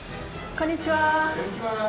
こんにちは。